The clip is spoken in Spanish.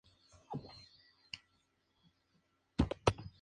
En la actualidad, se están convirtiendo en viviendas.